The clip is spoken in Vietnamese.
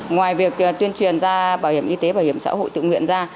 ngoài việc tuyên truyền ra bảo hiểm y tế bảo hiểm xã hội tự nguyện ra